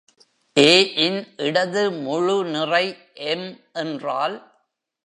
"A" இன் இடது முழுநிறை "M" என்றால்.